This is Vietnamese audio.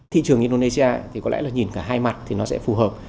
thị trường indonesia thì có lẽ là nhìn cả hai mặt thì nó sẽ phù hợp